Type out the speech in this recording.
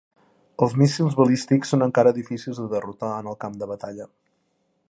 Els míssils balístics són encara difícils de derrotar en el camp de batalla.